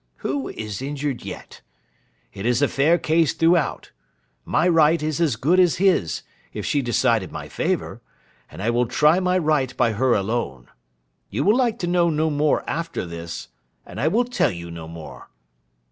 Who is injured yet? It is a fair case throughout. My right is as good as his, if she decide in my favour; and I will try my right by her alone. You will like to know no more after this, and I will tell you no more.